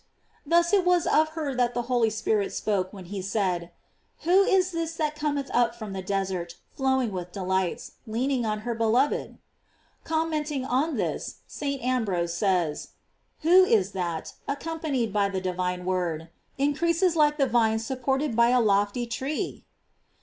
Thus it was of her that the Holy Spirit spoke when he said : Who is this that cometh up from the desert flowing with delights, leaning on her be loved?! Commenting on this, St. Ambrose says: Who is that, accompanied by the divine Word, increases like the vine supported by a lofty tree?